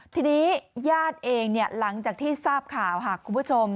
ทีนี้ญาติเองหลังจากที่ทราบข่าวค่ะคุณผู้ชม